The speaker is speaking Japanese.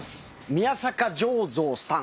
宮坂醸造さん。